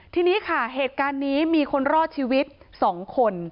ทีนี้ค่ะเหตุการณ์นี้มีคนรอดชีวิต๒คน